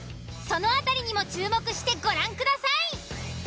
その辺りにも注目してご覧ください。